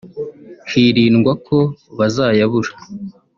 hirindwa ko bazayabura